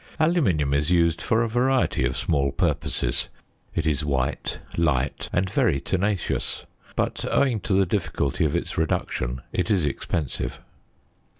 Aluminium is used for a variety of small purposes: it is white, light, and very tenacious; but owing to the difficulty of its reduction it is expensive.